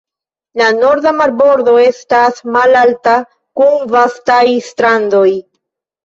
La norda marbordo estas malalta, kun vastaj strandoj.